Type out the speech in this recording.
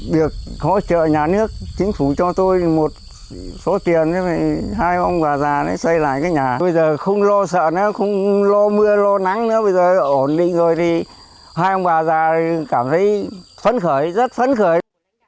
được hỗ trợ nhà nước chính phủ cho tôi một số tiền hai ông bà già xây lại cái nhà bây giờ không lo sợ nữa không lo mưa lo nắng nữa bây giờ ổn định rồi thì hai ông bà già cảm thấy phấn khởi rất phấn khởi